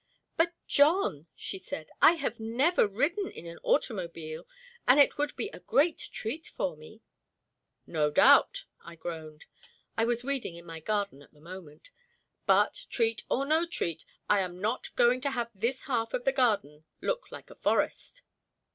"But, John," she said, "I have never ridden in an automobile, and it would be a great treat for me." "No doubt," I groaned I was weeding in my garden at the moment "but, treat or no treat, I am not going to have this half of the garden look like a forest."